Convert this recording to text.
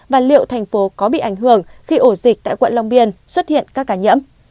và liệu thành phố có bị ảnh hưởng khi ổ dịch tại quận long biên xuất hiện các ca nhiễm